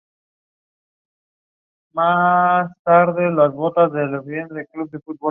Sin embargo, ella es asesinada por Janson, quien está infectado por la Llamarada.